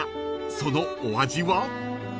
そのお味は］